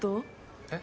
えっ？